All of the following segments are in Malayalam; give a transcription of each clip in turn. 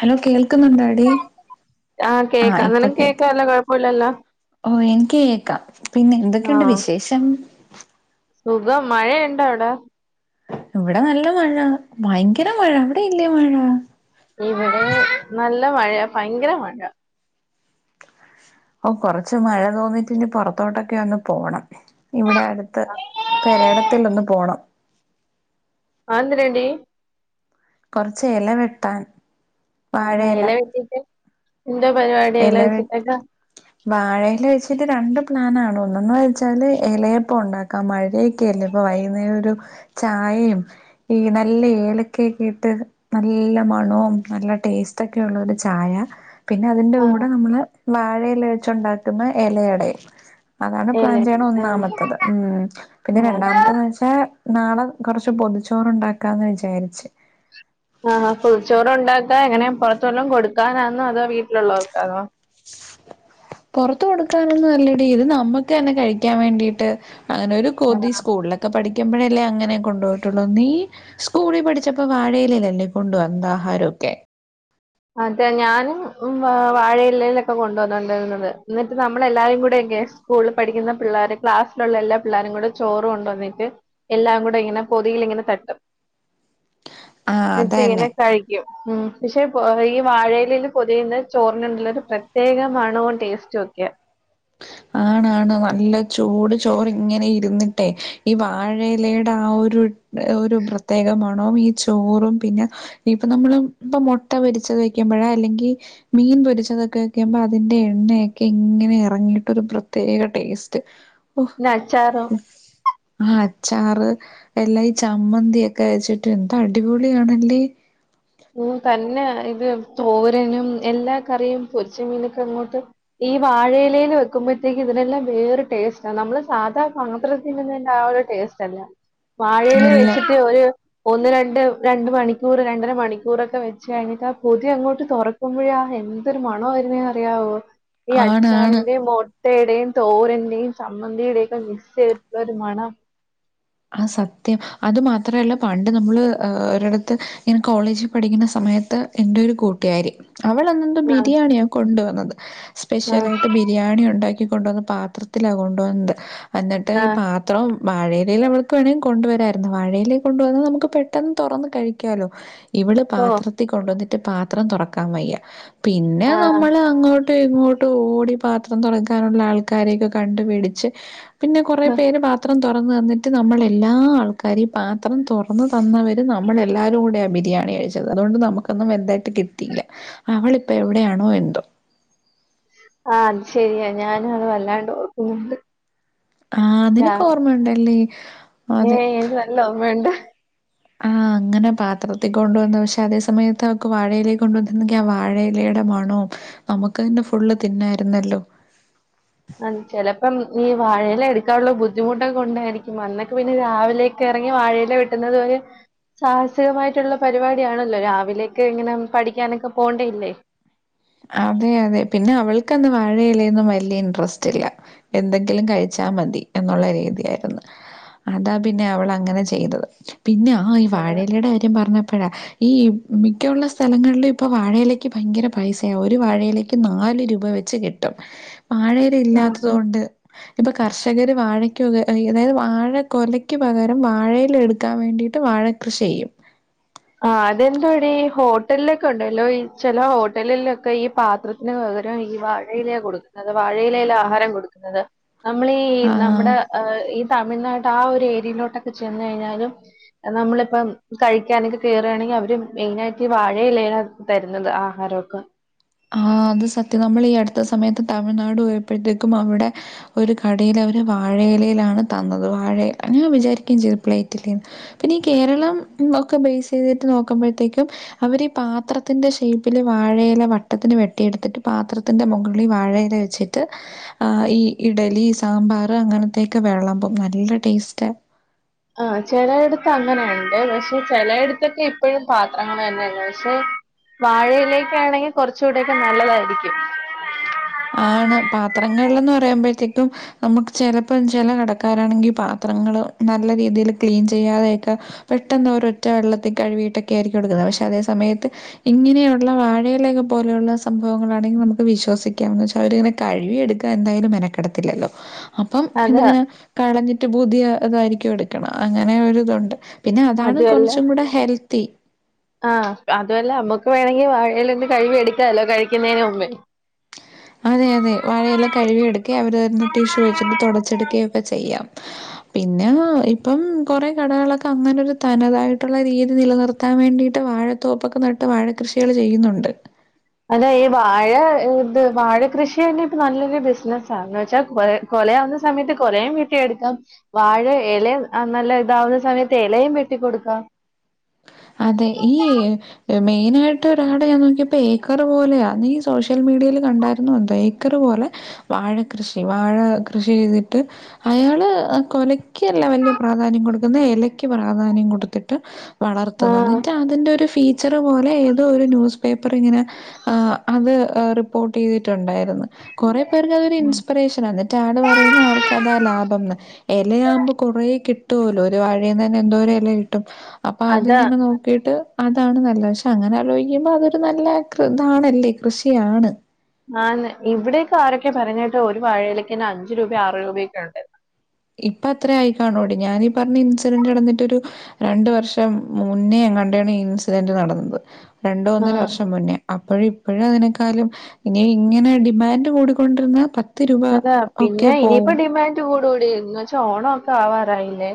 ഹലോ കേൾക്കുന്നുണ്ടോ? ആഹ് കേക്കാം കേക്കാല്ലോ കോഴപ്പല്ലല്ലോ. ഓഹ് എനിക്ക് കേക്കാം പിന്നെ എന്തൊക്കെയുണ്ട് ആഹ് വിശേഷം. സുഖം മഴയുണ്ടോ അവ്ടൊ ഇവിടെ നല്ല മഴ ഭയങ്കര മഴ അവിടെ ഇല്ലേ മഴ. ഇവ്ടെ നല്ല മഴയ ഭയങ്കര മഴ. ഒ കൊറച്ച് മഴ തോർന്നിട്ടിനി പൊറത്തോട്ടൊക്കെ ഒന്ന് പോണം ഇവിടെ അടുത്ത്. പെരേയടത്തിൽ ഒന്ന് പോണം. അതെന്തിനാടി കോർച്ച് എല വെട്ടാൻ ആഹ വാഴയില എല വെട്ടീട്ട് നിന്റെ പരിപാടി അയിൽ വെച്ചിട്ടക്ക വാഴെൽ വെച്ചിട്ട് രണ്ട് പ്ലാനാണ് ഒന്നന്ന് വെച്ചാല് എലയപ്പോ ഉണ്ടാ ക്ക മഴെക്കെല്ലേ അപ്പൊ വൈകുന്നേരം ഒരു ചായയും ഈ നല്ല ഏലക്കെക്ക്‌ ഇട്ട് നല്ല മണവും നല്ല ടേസ്റ്റ് ഒക്കെ ഉള്ള ഒരു ചായ പിന്നെ അതിന്റെ ആഹ് കൂടെ നമ്മള് വാഴല വച്ച് ഉണ്ടാക്കുന്ന എലയടയും അതാണ് ഇല പ്ലാൻ ചെയ്യണ ആഹ് ഒന്നാമത്തത് ഉം പിന്നെ ആഹ് രണ്ടാമത്തന്ന് വെച്ച ക്ഷേ നാളെ കുറച്ച് പൊതിച്ചോറുണ്ടാക്കാന്ന് വിചാരിച്ച് ആഹ് പൊതിച്ചോറ് ഉണ്ടാക്കാ എങ്ങനെ പുറത്തോല്ലും കൊടുക്കാനാന്നോ അതോ വീട്ടിലുള്ളവർക്കാണോ പുറത്ത് കൊടുക്കാനൊന്നും അല്ലടി ഇത് നമ്മക്കെന്നെ കഴിക്കാൻ വേണ്ടീട്ട് അങ്ങനെ ഒരു കൊതി സ്കൂളിലൊ ക്കെ പഠിക്കുമ്പോഴേ അല്ലേ അങ്ങനെ കൊണ്ടുപോയിട്ടുള്ളൂ നീ സ്കൂളിൽ പഠിച്ചപ്പോ വാഴയിലല്ലല്ലേ കൊണ്ട് വന്നാ ആഹാരൊക്കെ അതെ ഞാനും വാഴയിലെയിലൊക്കെ കൊണ്ട്‌ വന്നൊണ്ട്‌ണ്ടാരുന്നത് എന്നിട്ട് നമ്മള എല്ലാരും കൂടെ ക്കെ സ്കൂളിൽ പഠിക്കുന്ന പിള്ളേരെ ക്ലാസ്സിലുള്ള എല്ലാ പിള്ളോരും കൂടെ ചോറ് കൊണ്ടോന്നിട്ട് എല്ലാം കൂടെ ഇങ്ങനെ പൊതീൽ ഇങ്ങനെ തട്ടും ആഹ് ന്നിട്ട് ഇങ്ങനെ അതന്നെ കഴിക്കും മ് പക്ഷെ ഈ വാഴയിലെൽ പൊതിയുന്ന ചോർൻണ്ടല്ലോ ഒരു പ്രത്യേക മണവും ടേസ്റ്റും ഒക്കെയ ആണാണ് നല്ല ചൂട് ചോർ ഇങ്ങനെ ഇരുന്നിട്ടെ ഈ വാ ഴയിലയുടെ ആ ഒരു ഒരു പ്രത്യേക മണവും ഈ ചോറും പിന്നെ ഇപ്പൊ നമ്മള് ഇപ്പ മുട്ട പൊരിച്ചത് വെക്കുമ്പോഴാ അല്ലെങ്കിൽ മീൻ പൊരിച്ചതൊക്കെ വെക്കുമ്പോ അതിന്റെ എണ്ണയൊക്കെ ഇങ്ങനെ എ ർങ്ങീട്ടോരു പ്രത്യേക ടേസ്റ്റ് പിന്ന അച്ചാറും ആഹ് അച്ചാർ എല്ലാം ഈ ചമ്മന്ത്യൊക്കെ വെച്ചിട്ട് എന്തടിപൊളി ആണല്ലേ ഓ തന്നെ ഇത് തോരനും എല്ലാ കറിയും പൊരിച്ച മീനൊക്കെ അങ്ങോട്ട് ഈ വാഴയിലയില് വെക്കുമ്പോത്തേക്ക് ഇതിനെല്ലാം വേറെ ടേസ്റ്റാ നമ്മള് സാധാ പത്രത്തിൽ നിന്ന് ആഹ് ഒരു ടേസ്റ്റ് ഷ്ടല്ല വാഴലേല് എല്ലാം വെച്ചിട്ട് ഒരു ഒന്ന് രണ്ട് രണ്ട് മണിക്കൂറ് രണ്ടര മണി ക്കൂറൊക്കെ വെച്ച് കഴിഞ്ഞിട്ടാ പൊതി അങ്ങോട്ട് തൊറക്കുമ്പോഴേ ആഹ് എന്തൊരു മണമാ വരുന്നെന്ന്‌ അറിയാമോ അറിയാമോ ഈ ആണാണ് അച്ചാറിന്റേം മോ ട്ടെടെം തോരന്റേം സമ്മന്തിടൊക്കെ മിക്സ് യ്ത്ട്ടുള്ളൊരു മണം ആഹ് സത്യം അതു മാത്രല്ല പണ്ട് നമ്മള് ഏഹ് ഒരിടത്ത് ഇങ്ങനെ കോളേജിൽ പഠിക്കണ സമയത്ത് എന്റെ ഒരു കൂട്ടുകാരി അവൾ എന്നതാ ആ ബിരിയാണിയാ കൊണ്ടുവന്നത് ആ സ്പെഷ്യലായിട്ട് ബി ബിരിയാണി ഉണ്ടാക്കി കൊണ്ടന്ന പാത്രത്തിലാ കൊണ്ട് വന്നത് അന്നിട്ട് ആ ഈ പാ ത്രം വാഴയിലേല് അവള് ക്ക് വേണെങ്കെ കൊണ്ടുവരായിരുന്നു വാഴയിലേ കൊണ്ട് വന്ന നമ്മുക്ക് പെട്ടെന്ന് തൊറന്ന് കഴിക്കാലോ ഇവള് ഓ പാത്ര ത്തി കൊണ്ടന്നിട്ട് പാത്രം തൊറക്കാൻ വയ്യ പിന്നെ ആ നമ്മളങ്ങോ ട്ട് ഇങ്ങോട്ട് ഓടി പാത്രം തൊറക്കാനുള്ള ആൾക്കാരൊക്കെ കണ്ടുപിടിച്ച് പിന്നെ കൊറേ ആ പേര് പാത്രം തൊറന്ന് തന്നിട്ട് ത്ത് നമ്മൾ എല്ലാ ആൾക്കാരേം പാത്രം തൊറന്ന് തന്നവരും നമ്മളെല്ലാരും കൂട ബിരിയാണി കഴിച്ചത് അതുകൊണ്ട് നമ്മുക്ക് ഒന്നും വലുതായിട്ട് കിട്ടീല്ല അവളിപ്പോ എവിടെയാണോ എന്തോ ആഹ് അത് ശരിയാ ഞാനും അത് വല്ലാണ്ട് ഓർക്കുന്നുണ്ട് ആഹ് ഞാൻ നിനക്ക് ഓർമ്മയുണ്ടല്ലേ അതെ നല്ലൊർമ്മയുണ്ട് ആ [inaudible] അങ്ങനെ പാത്രത്തിൽ കൊണ്ടുവന്ന പക്ഷെ അതേ സമയത്ത് അവക്ക് വാഴയിലേൽ കൊണ്ടുവന്നിരുന്നെങ്കിൽ ആ വാഴയിലേടെ മണവും നമ്മുക്ക്തന്നെ ഫുള്ള് തിന്നായിരുന്നല്ലോ ഉം ചെലപ്പം ഈ വാഴയില എടുക്കാനുള്ള ബുദ്ധിമുട്ടൊക്കെ കൊണ്ടായിരിക്കും അന്നൊക്കെ പിന്നെ രാവിലെ ക്ക് എറങ്ങി വാഴയില വെട്ടുന്നത് ഒര് സാഹസികമായിട്ടുള്ള പരിപാടിയാണല്ലോ രാവിലൊക്കെങ്ങനെ പഠിക്കാനൊക്കെ പോണ്ടെയല്ലേ അതെ അതെ പിന്നെ അവൾക്കന്ന് വാഴയിലേന്നും വലിയ ഇൻട്രസ്റ്റ് ഇല്ല എന്തെങ്കിലും കഴിച്ചാ മതി എന്നുള്ള രീതിയായിരുന്നു അതാ പിന്നെ അവളങ്ങനെ ചെയ്തത് പിന്നെ അ ആഹ് ഈ അത് വാഴേയിലേടെ കാര്യം പറഞ്ഞപ്പോഴാ ഈ മിക്കുള്ള സ്ഥലങ്ങളിലും ഇപ്പൊ വാഴയിലക്ക് ഭയങ്കര പൈസയാ ഒരു വാഴയിലക്ക് നാല് രൂപ വെച്ച് കിട്ടും വാഴെല ഇല്ലാത്തത് കൊണ്ട് ഇപ്പൊ കർഷകര് വാഴയ്ക്കൊകെ അതായത് വാഴ കൊലയ്ക്ക് പകരം വാഴെല എടുക്കാൻ വേണ്ടി ട്ട് വാഴ കൃഷി ചെയ്യും ആഹ് അതെന്തുവാടി ഹോട്ടലിലൊക്കെ ഉണ്ടല്ലോ ഈ ചെല ഹോട്ടലിലൊക്കെ ഈ പാത്ര ല് വകരം ഈ വാഴയിലയ കൊടുക്കുന്നത് വാഴയിലേല ആഹാരം കൊടുക്കുന്നത് നമ്മളീ ആഹ്. നമ്മുടെആഹ് ഈ തമിഴ്നാട്ട് ആ ഒരു ഏരിയെലോട്ടൊക്കെ ചെന്ന് കഴിഞ്ഞാലും നമ്മളിപ്പം കഴിക്കാനൊക്കെ കേറാണെങ്കി അവര് മെയിനായിട്ട് വാഴയിലയിലാ തരുന്നത് ആഹാരൊക്കെ ആഹ് അത് സത്യം നമ്മളി ഈ അടുത്ത സമയത്ത് തമിഴ്നാട് പോയപ്പോഴത്തേക്കും അവടെ ഒരു കടെല് അവര് വാഴയിലയിലാണ് തന്നത് വാഴ ഞാൻ വിചാരികെം ചെയ്തു പ്ലേറ്റിലേന്ന് പിന്നെ ഈ കേരളം ഒക്കെ ബേസ് ചെയ്തിട്ട് നോക്കുമ്പോഴത്തേക്കും അവരി പാത്രത്തിന്റെ ഷേയ്പ്പില് വാഴയില വട്ട വട്ടത്തിന് വെട്ടിയെടുത്തിട്ട് പാത്രത്തിൻ്റെ മുകളീ വാഴയില വെച്ചിട്ട് ആഹ് ഈ ഇഡലി സാമ്പാറ് അങ്ങനത്തൊക്കെ വെളമ്പും നല്ല ടേസ്റ്റാ ആഹ് ചെലയിടത്ത് അങ്ങനുണ്ട് പക്ഷെ ചെലയിടത്തൊക്കെ ഇപ്പഴും പാത്രങ്ങള് തന്നെയാണ് പക്ഷെ വാഴയിലേക്കെ ആണെങ്കെ കൊറച്ചുഉടെക്കെ നല്ലതായിരിക്കും ആണ് പാത്രങ്ങള്ന്ന് പറയുമ്പോഴത്തേക്കും നമ്മുക്ക് ചെലപ്പം ചെല കടക്കാരാണെങ്കി പാത്രങ്ങള് നല്ല രീതില് ക്ലീൻ ചെയ്യാതെയെക്കെ പെട്ടെന്ന് ഒരൊറ്റ വെള്ളത്തി കഴുവീട്ടൊക്കെ ആയിരിക്കും എടുക്കുന്നെ പക്ഷെ അതേ സമയത്ത് ഇങ്ങനെയുള്ള വാഴയിലൊക്കെ പോലുള്ള സംഭവങ്ങളാണെങ്കി നമ്മുക്ക് വിശ്വസിക് ക്ക്യാന്ന് വെച്ച അവര്ങ്ങനെ കയ്വ്വി എടുക്കാ എന്തായാലും മെനക്കെടത്തില്ലല്ലൊ അപ്പം. ഏന്ത അത് ഇങ്ങനെ കളഞ്ഞിട്ട് പുതിയ അതായ്രിക്കും എടുക്ക്ണെ അങ്ങനെ ഒരുതുണ്ട് പിന്നെ അതാണ് അതുമല്ല കൊറച്ചും കൂട ഹെൽത്ത് ത്തീ ആഹ് അതുവല്ല അമ്മക്ക് വേണങ്കി വാഴെലീന്ന് കഴ് വി എട്ക്കാല്ലൊ കഴിക്കുന്നേന് മുമ്പെ അതെ അതെ വഴയെല കഴുവി എട്ക്കെ അവര് ടിഷ്യു വെച്ചിട്ട് തൊടച്ചെടുക്കെ ഒക്കെ ചെയ്യാം പിന്ന ഇപ്പം കൊറേ കടകളൊക്കെ അങ്ങനൊരു തനതായിട്ട്ള്ള രീതി നിലനിർ ത്താൻ വേണ്ടീട്ട് വാഴത്തോപ്പൊക്കെ നട്ട് വാഴക്കൃഷികള് ചെയ്യുന്നുണ്ട് അതെ ഈ വാഴ ഏഹ് ഇത് വാഴ കൃഷി യെന്നെ ഇപ്പൊ നല്ലൊരു ബിസ്നസ്സ ന്ന്വെച്ച കൊറെ കൊലയാവ്ന്ന സമയത്ത് കൊലീം വെട്ടിയെട്ക്കാം വാഴ എലിം നല്ല ഇതാവ്ന്ന സമയത്ത് എലയും വെട്ടികൊട്ക്കാം അതെ ഈ മെയിനാ ആയിട്ട് ഡാഡ് ഞാൻ നോക്കിയപ്പൊ ഏക്കറ് പോലെയാ നീ സോഷ്യൽ മീഡിയേല് കണ്ടാരുന്നു എന്തൊ ഏക്കറ് പോലെ വാഴ കൃഷി വാഴ കൃഷി ചെയ്തിട്ട് അയാള് കൊലക്ക് അല്ല വല്യ പ്രാധാന്യം കൊട്ക്ക്ന്നെ. ഏലയ്ക്ക് പ്രാധാന്യം കൊട്ത്ത്ട്ട് വളർത്തുന്നു ആഹ് ഇന്നിട്ട് അതിന്റെ ഒര് ഫീച്ചർ പോലെ എതോ ഒര് ന്യൂസ് പേപ്പർ ഇങ്ങനെ ആഹ് അത് ഏഹ് റിപ്പോർട്ടീത് ഉണ്ടായിരുന്നു കൊറേ പേർക്ക് അതൊരു ഇൻസ്പ്രേഷന ന്നി റ്റാണ് പറയ്ന്നെ ആൾക്ക് അതാ ലാഭംന്ന് എലയാവുമ്പൊ കൊറേ കിട്ടൂ ഓലൊ ഒര് വഴീന്ന് തന്നെ എന്തോര് എല കിട്ടും. അപ്പൊ അതാ അത്ങ്ങനെ നോ ക്കീട്ട് അതാണ് നല്ലെ പഷെ അങ്ങനെ അലോയ്ക്കുമ്പൊ അതൊര് നല്ല കൃ ഇതാണല്ലെ കൃഷിയാണ് ആന്ന് ഇവിടക്കെ ആരൊക്കെ പറയ്ന്ന കേട്ടു ഒര് വാഴയിലക്കെന്നെ അഞ്ച് രൂബെ ആറ് രൂബയൊക്കെ ഉണ്ട് ഇപ്പ എത്ര ആയി കാണോടി ഞാനീ പറഞ്ഞ ഇൻസിരന്റ് നടന്നിട്ടൊരു രണ്ട് വർഷം മുന്നേ എങ്ങാണ്ടേണ് ഇൻസിരന്റ് നടന്നത് രണ്ട് ഒന്നര ആഹ് വർഷം മുന്നേ അപ്പഴും ഇപ്പഴും അതിനെക്കാലും ഇനി ഇങ്ങനെ ഡിമാൻഡ് കൂടിക്കൊണ്ട്രിന്ന പറ്റ അതാ പിന്നെ ഇനിയിപ്പൊ ഡിമാൻഡ് കൂടൊടീ ഇന്ന് വച്ച ഓണൊ ഒക്ക ആവാറായില്ലെ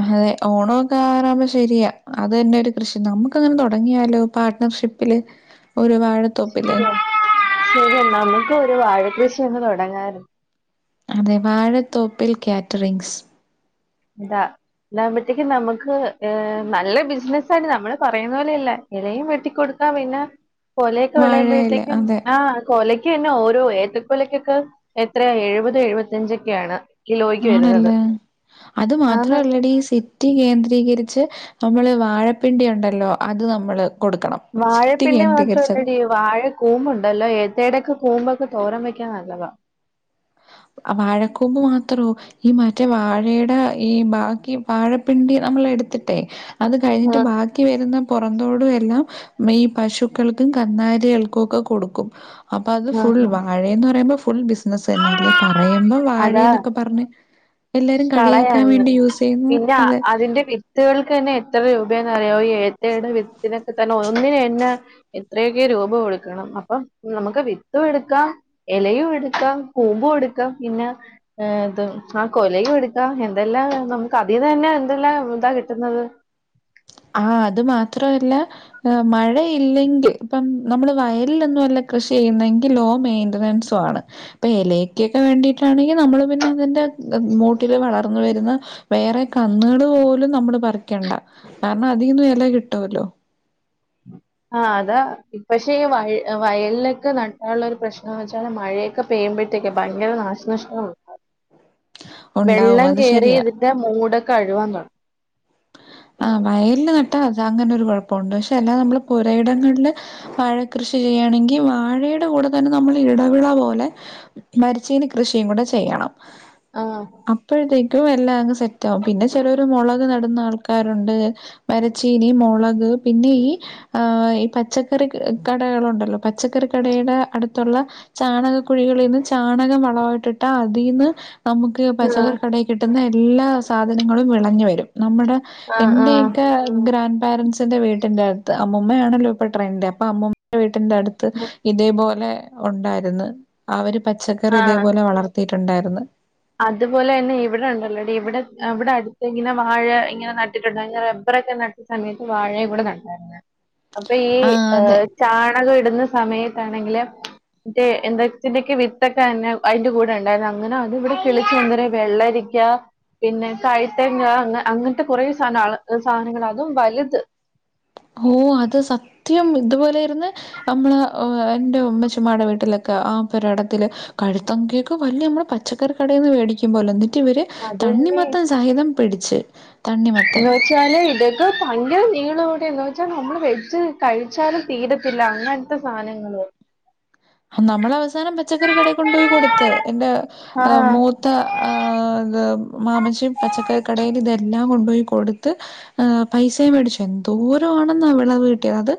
അതെ ഓണൊക്ക ആവാറാവുമ്പ ശരിയാ. അത് തന്നെ ഒര് കൃഷി. നമുക്കങ്ങനെ തൊടങ്ങിയാലൊ പാർട്ട്ണർഷിപ്പ് പ്പില് ഒര് വാഴത്തോപ്പില് ശരിയാ ശരി എന്ന നമുക്ക് ഒര് വാഴക്കൃഷി ഒന്ന് തൊടങ്ങാരൊ അതെ വാഴത്തോപ്പിൽ കാറ്റ്റിംഗ്സ് ഇതാ ഇതാവുമ്പത്തേക്ക് നമുക്ക്. ഏഹ് നല്ല ബിസ്നസാണ് നമ്മള് പറയുന്ന പോലെയല്ല ഏലയും വെട്ടിക്കൊടുത്ത പിന്നെ കൊലയൊക്ക വാഴയില വെളയുമ്പഴത്തേക്കും അതെ ആഹ് കൊലക്കെന്നെ ഓരോ ഏത്തക്കൊലക്കൊക്ക എത്രയ എഴുപത് എഴുപത്തിഞ്ചൊക്കെയാണ് കിലോയ്ക്ക് വര്ന്നത് ആണല്ലേ അത് മാത്ര അല്ലടീ സി റ്റി കേന്ദ്രീകരിച്ച് നമ്മള് വാഴപ്പിണ്ടി ഉണ്ടല്ലൊ അത് നമ്മള് കൊട്ക്കണം വാഴപ്പിണ്ടി മാത്രവല്ലടീ വാഴ ക്കൂമ്പുണ്ടല്ലൊ ഏത്തേടക്കെ കൂമ്പൊക്കെ തോരം വെക്കാ നല്ലത ആഹ് വാഴക്കൂമ്പ് മാത്രൊ ഈ മറ്റേ വാഴേടെ ഈ ബാക്കി വാഴപ്പിണ്ടി നമ്മളെ എട്ത്തിട്ടെ അത് ആ കഴ്ഞ്ഞിട്ട് ബാ ക്കി വര്ന്ന പൊറന്തോടു എല്ലാം മെയ് പശുക്കൾക്കും കന്നാലികൾകൊക്കെ കൊടുക്കും അപ്പ അത് ആ ഫുൾ ആ. വാഴേന്ന് ന്നറയുമ്പൊ ഫുൾ ബിസിനസ്സ് എന്നെ പറയുമ്പ അതാ വാഴേന്നൊക്ക പറഞ്ഞ് എല്ലാരും കളിയാക്കാൻ കളയാ വേണ്ടി യൂസീയ്യ്ന്ന പിന്നെ അതെ അതിന്റെ വിത്തുകൾക്ക് ഏന്നെ എത്ര രൂപയാന്ന് അറിയൊ ഈ ഏത്തേടെ വിത്തിനൊക്ക തന്നെ ഒന്നിന് തന്നെ എത്രയൊക്കെ രൂപ കൊട്ക്കണം അപ്പം നമുക്ക് വിത്ത് എട്ക്കാം എലയും എടുക്കാം കൂമ്പും എടുക്കാം പിന്നെ ഏഹ് ഇത് ആഹ് കൊലയു എടുക്കാം എന്തെല്ലാം നമുക്ക് അതിന്ന് തന്നെ എന്തെല്ലാം ഇതാ കിട്ട്ന്നത് ആഹ് അത് മാത്രവല്ല പം മഴയില്ലെങ്കിൽ ഇപ്പം നമ്മള് വയലിലൊന്നു അല്ല കൃഷി ചെയ്യ്ന്നെങ്കി ലോ മെയിന്റനൻസ് [unintelligible] ഇപ്പൊ എലയ്ക്കൊക്ക വേണ്ടിട്ടാണെങ്കി നമ്മള് പിന്നെ അതിന്റെ മൂട്ടില് വളർന്ന് വര്ന്ന വേറെ കന്ന്കള് പോലും നമ്മള് പറിക്കണ്ട കാരണം അതിന്നും ഇല കിട്ടുവല്ലോ ആഹ് അതാ പക്ഷെ ഈ വഴ വയലിലൊക്കെ നട്ടാള്ളൊരു പ്രശ്നംന്ന് വെച്ചാല് മഴയൊക്കെ പെയ്യുമ്പഴത്തേക്കെ ഭയങ്കര നാശനഷ്ട്ടങ്ങളുണ്ടാവും ഉണ്ടാവും വെള്ളം അത് കേറിയ ശരിയാ. ന്റെ മൂടൊക്ക അഴുവാൻ തൊടങ്ങും ആഹ് വയലില് നട്ടാ അത് അങ്ങനൊരു കുഴപ്പോണ്ട് പക്ഷെ എല്ലാ നമ്മള് പുരയിടങ്ങളില് വാഴ കൃഷി ചെയ്യ്യാണെങ്കി വാഴേടെ കൂടെ തന്നെ നമ്മള് ഇടവിള പോലെ മരിച്ചീനി കൃഷിയും കൂടെ ചെയ്യണം ആഹ് അപ്പഴത്തേക്കും എല്ലാം അങ്ങ് സെറ്റാകും പിന്നെ ചിലോര് മുളക് നട്ന്ന ആൾക്ക ക്കാറുണ്ട് മരച്ചീനി മൊളക് പിന്നെ ഈ ആഹ് ഈ പച്ചക്കറി കടകളുണ്ടല്ലോ പച്ചക്കറി കടയുടെ അടുത്തുള്ള ചാണകക്കുഴികളിന്ന് ചാണകം വളവായിട്ടിട്ടാ അതിന്ന് നമുക്ക് പച്ചകറി കടേ കിട്ടുന്ന എല്ലാ സാധനങ്ങളും വിളഞ്ഞു വരും നമ്മുടെ ആ ആ എന്റെയൊക്കെ ഗ്രാൻഡ് പാരൻസിന്റെ വീട്ടിന്റെത്ത് അമ്മൂമ്മയാണല്ലോ പ്പൊ ട്രെന്റ് അപ്പൊ അമ്മൂമ്മടെ വീട്ടിന്റെ അടുത്ത് ഇതേപോലെ ഉണ്ടായിരുന്ന് അവര് പച്ചക്കറി ഇതേപോലെ വളർത്തിയിട്ടുണ്ടായിരുന്ന് അത്പോലെ തന്നെ ഇവിടെണ്ടല്ലോ ഡി ഇവിടെ ഇവിടെ അടുത്ത് ഇങ്ങനെ വാഴ ഇങ്ങനെ നട്ടിട്ടുണ്ട് അങ്ങനെ റബ്ബറൊക്കെ ന ഈ സമയത്ത് വാഴേം കൂടെ നട്ടാരിന്നെ അപ്പൊ ഈ ആഹ് അതെ. ഏഹ് ചാണകം ഇടുന്ന സമയത്താണെങ്കില് മറ്റേ എന്തത്തിന്റെക്കെയോ വിത്തക്കെ ന്നെ അയിന്റെ കൂടെ ണ്ടായിരുന്നു അങ്ങനെ അത് ഇവിടെ കിളിച്ചുണ്ടനെ വെള്ളരിയ്ക്ക പിന്നെ തൈ തെങ് അ അങ്ങനത്തെ കുറേ സാന സാനങ്ങള് അതും വലുത് ഓഹ് അത് സത്യം ഇതുപോലേര്ന്ന് നമ്മള് എന്റെ ഉമ്മച്ചമാടെ വീട്ടിലൊക്കെ ആ പൊരേടത്തില് കഴുത്തങ്കേക്ക് വല്ല്യമ്മളെ പച്ചക്കറി കടേന്ന് വേടിക്കുമ്പോല ന്നട്ട് വെര് അതന്നെ തണ്ണിമത്തൻ സഹിതം പിടിച്ച്. തണ്ണിമത്തൻ ച്ചാലെ വെര്ക്ക് ഭയങ്കര നീളോംകൂടെന്ന് വെച്ചാ നമ്മള് വെജ് കഴിച്ചാലും തീരത്തില്ല. അങ്ങൻ ത്തെ സാനങ്ങളും നമ്മളവസാനം പച്ചക്കറി കടേ കൊണ്ടോയി കൊടുത്ത്. എന്റെ ആഹ് മൂ ത്ത ആഹ് ത് മാമച്ചി പച്ചക്കറിക്കടേല് തെല്ലാം കൊണ്ടോയി കൊട്ത്ത് ആഹ് പൈസേം വേടിച്ചു. എന്തോരാണെന്നൊ വെളവ് കിട്ടിയത്. അത്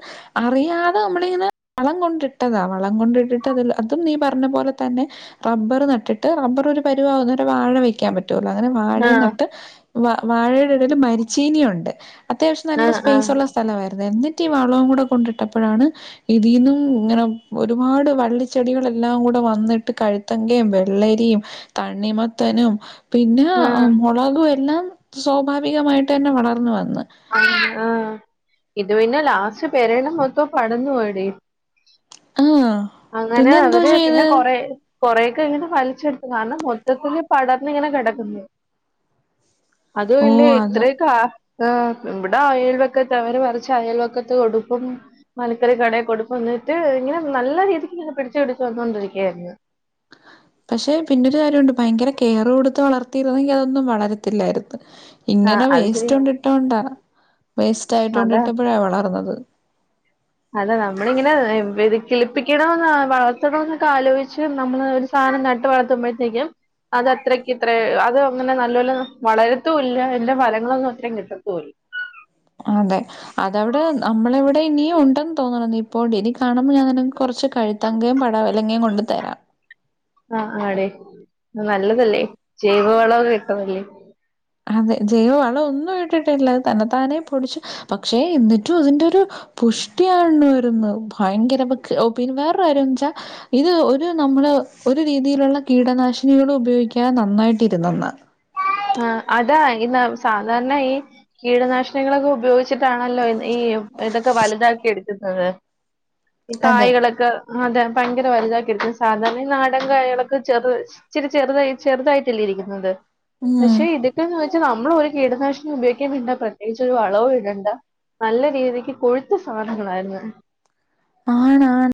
അറിയാതെ മ്മളിങ്ങനെ വളം കൊണ്ടിട്ടതാ വ വളം കൊണ്ടിട്ട [unintelligible] അതും നീ പർഞ്ഞ പോലെ തന്നെ റബ്ബറ് നട്ടിട്ട് റബറ് ഒരു പരുവാകുന്ന വരെ വാഴ വെക്കാപ റ്റൊള്ളൂ. അങ്ങനെ വാഴേം ആഹ് നട്ട് വ വാഴയുടെടേല് മരിച്ചീനിയുണ്ട്. അത്യാവശ്യം നല്ല ആഹ് ആഹ് സ്പേസൊള്ള സ്ഥലവായിരുന്നു. എന്നിട്ട് ഈ വളോം കൂടെ കൊണ്ടിട്ടപ്പഴാണ് ഇതീന്നും ങ്ങനെ ഒരുപാട് വള്ളിച്ചെടികളെല്ലാം കൂടെ വന്ന്ട്ട് കഴുത്തങ്കേം, വെള്ളരീം തണ്ണിമത്തനും പിന്നെ ആ മൊളകും എല്ലാം സ്വാഭാവികമായിട്ടെന്നെ വളർന്ന് വന്ന്. ആഹ് ആഹ് ഇത് പിന്നെ ലാസ്റ്റ് പെരയിടം മൊത്തോ പടർന്നു പോയെടി ആഹ് അങ്ങനെ പിന്നെ എന്തോ അവര് ചെയ്ത് പിന്നെ കൊറേ കൊറേക്കെ ങ്ങനെ വലിച്ചെട്ത്ത്. കാരണം മൊത്തത്തില് പടർന്നിങ്ങനെ കെടക്ക് ന്ന് അതും ഓ ഇല്ലേ അത് ഇത്രയൊക്കെ ആ ആഹ് വടെ അയൽവെക്കത്ത് അവര് പറിച്ച് അയൽവക്കത്ത് കൊടുക്കും. മലക്കറി കടേകൊടുക്കും. ന്ന്ട്ട് ഇങ്ങനെ നല്ല രീതിക്ക് ങ്ങനെ പിടിച്ച് പിടിച്ച് വന്നൊണ്ടിരിക്കയായിരുന്ന്. [inaudible] പക്ഷെ പിന്നൊരു കാര്യോണ്ട്. ഭയങ്കര കെയറ് കൊടുത്ത് വളർത്തിയിരുന്നെങ്കി അതൊന്നും വളരത്തില്ലായിരുന്ന്. ആ ഇങ്ങനെ അത് വേസ്റ്റ് ശരിയാ കൊണ്ടിട്ടോണ്ടാ. വേസ്റ്റ് അതാ ആയിട്ടോണ്ടിട്ടപ്പോഴാ വളർന്നത്. അതെ നമ്മളിങ്ങനെ വിതി ക്കിളിപ്പിക്കണോന്നാ വളർത്തണോ ന്നൊക്കെ ആലോചിച്ച് നമ്മള് ഒരു- സാനം നട്ട് വളർത്തുമ്പോഴത്തേക്കും അത് അത്രയ്ക്ക് ഇത്രേ അത് അങ്ങനെ നല്ലോലെ വളരത്തുല്ല. എന്റെ ഫലങ്ങളൊന്നും അത്രയും കിട്ടത്തൂ അതെ. അതവ്ടെ നമ്മളെവ്ടെ ഇനിയും ഉണ്ടെന്ന് തോന്നണം. ന്നിപ്പോണ്ടി ഇനി കാണുമ്പ ഞാനിന ഞാനങ്ങനെ- കൊർച്ച് കഴുത്താങ്കയും പടവലങ്ങയും കൊണ്ട് തരാം. ആഹ് ആഹ് ടേ നല്ലതല്ലേ. ജൈവ വളൊക്ക ഇട്ടതല്ലേ. അതെ. ജൈവ വളോ ഒന്നും ഇട്ടിട്ടില്ല. അത് തന്നെ താനേ പൊടിച്ചു. പക്ഷേ എന്ന്ട്ടും അത് ന്റെരു പുഷ്ടിയാണ് വരുന്ന്. ഭയങ്കര മ്മക്ക് ഓ പിന്നെ വേറെ കാര്യോ വെച്ചാ ഇത് ഒര് നമ്മള് ഒരു രീതിയിലുള്ള കീടനാശിനികളും ഉപയോഗിക്കാതെ നന്നായിട്ട് ഇര്ന്നന്ന് ആഹ് അതാ. ഇന്ന് സാധാരണ ഈ കീടനാശിനങ്ങളൊക്കെ ഉപയോഗി ച്ചിട്ടാണല്ലോ ഈ തൊക്കെ വല്താക്കി ഇട്ക്ക്ന്നത്. ഈ അതെ കായകളൊക്കെ അതെ ഭയങ്കര വലുതാക്കിയിര്ക്ക് ന്ന്. സാധാരണ ഈ നാടൻ കായകളൊക്കെ ചെറ് ച്ചിരി ചെറ്തായി ചെറുതായിട്ടല്ലേ ഇരിക്ക്ന്നത് ഉം പക്ഷെ ഇതൊക്കെയന്ന് വെച്ചാ നമ്മളൊരു കീടനാശിനിം ഉപയോഗിക്കേംവേണ്ട പ്രത്യേകിച്ച് ഒരു വളവും ഇടണ്ട. നല്ല രീതിക്ക് കൊഴുത്ത സാധനങ്ങളായിര്ന്ന്. ആണാ ആൺ